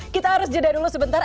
kita harus jeda dulu sebentar